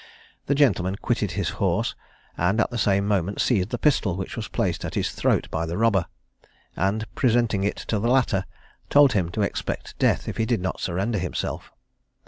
The gentleman quitted his horse, and at the same moment seized the pistol which was placed at his throat by the robber, and, presenting it to the latter, told him to expect death if he did not surrender himself.